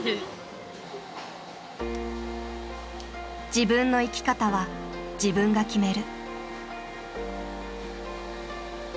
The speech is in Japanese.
自分の生き方は自分が決める。